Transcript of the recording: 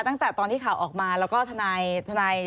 ตั้งแต่ตอนที่ข่าวออกมาแล้วก็ทนาย